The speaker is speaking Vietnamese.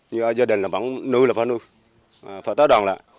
như ở gia đình là vẫn nuôi là phải nuôi phải tái đòn lợn